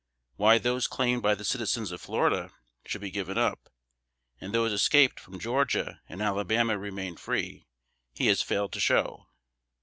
Why those claimed by the citizens of Florida should be given up, and those escaped from Georgia and Alabama remain free, he has failed to show!